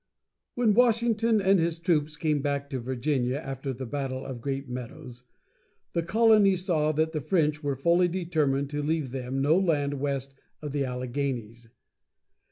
When Washington and his troops came back to Virginia after the battle at Great Meadows, the colonies saw that the French were fully determined to leave them no land west of the Alleghanies.